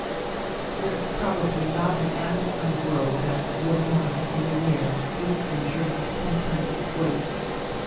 There is probably not an animal in the world that will not, in a year, eat and drink ten times its weight.